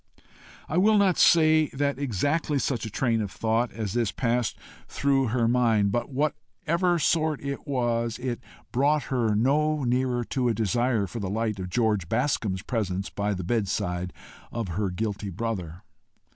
I will not say that exactly such a train of thought as this passed through her mind, but of whatever sort it was, it brought her no nearer to a desire for the light of George Bascombe's presence by the bedside of her guilty brother.